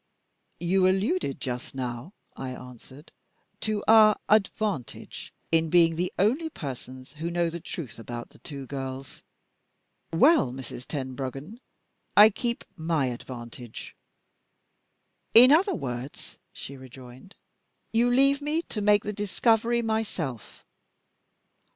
"You alluded just now," I answered, "to our 'advantage' in being the only persons who know the truth about the two girls. Well, Mrs. Tenbruggen, I keep my advantage." "In other words," she rejoined, "you leave me to make the discovery myself.